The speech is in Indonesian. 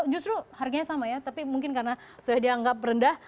justru harganya sama ya tapi mungkin karena sudah dianggap rendah